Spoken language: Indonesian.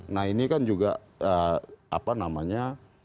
nah ini kan juga apa namanya